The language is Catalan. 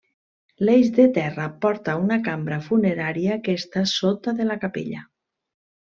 L'eix de terra porta a una cambra funerària que està sota de la capella.